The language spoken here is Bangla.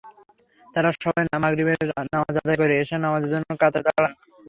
তাঁরা সবাই মাগরিবের নামাজ আদায় করে এশার নামাজের জন্য কাতারে দাঁড়ান।